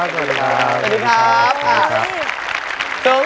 เดี๋ยวทดลอง